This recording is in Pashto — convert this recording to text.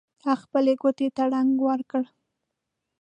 هغوی خپلې کوټې ته رنګ ور کړ